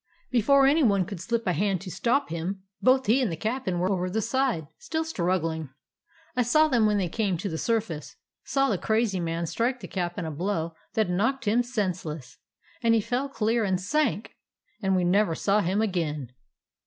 Before any one could slip a hand to stop him, both he and the cap'n were over the side, still struggling. I saw them when they came to the surface; saw the crazy man strike the cap'n a blow that knocked him senseless, and he fell clear and sank, and we never saw him again.